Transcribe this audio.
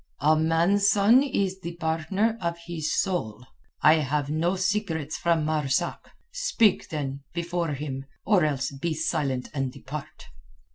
"A man's son is the partner of his soul. I have no secrets from Marzak. Speak, then, before him, or else be silent and depart."